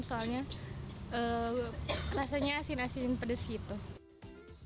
soalnya rasanya asin asin pedas gitu